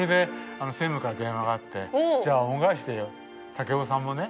武生さんもね